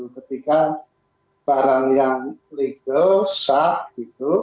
ketika barang yang legal sah gitu